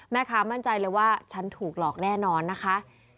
มั่นใจเลยว่าฉันถูกหลอกแน่นอนนะคะ